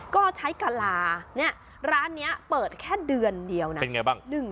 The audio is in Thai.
ก็ใช้กะลาเนี่ยร้านนี้เปิดแค่เดือนเดียวนะเป็นไงบ้าง